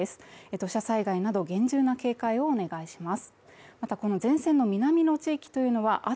土砂災害など厳重な警戒をお願いします。